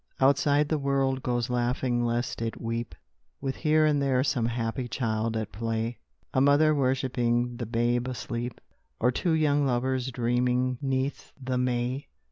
Outside the world goes laughing lest it weep, With here and there some happy child at play; A mother worshipping the babe asleep, Or two young lovers dreaming 'neath the May.